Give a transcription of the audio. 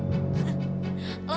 lo suka kacau